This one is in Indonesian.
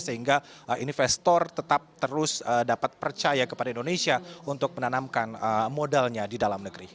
sehingga investor tetap terus dapat percaya kepada indonesia untuk menanamkan modalnya di dalam negeri